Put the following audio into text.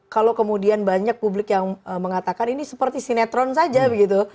kalau kemudian banyak publik yang mengatakan ini seperti sinetron saja begitu